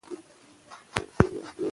که سلام وي نو کبر نه پاتیږي.